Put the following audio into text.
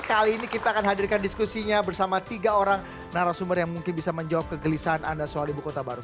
kali ini kita akan hadirkan diskusinya bersama tiga orang narasumber yang mungkin bisa menjawab kegelisahan anda soal ibu kota baru